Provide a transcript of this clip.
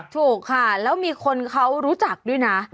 ถูกค่ะแล้วมีคนเขารู้จักด้วยนะ